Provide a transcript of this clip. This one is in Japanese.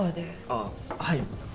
ああはい。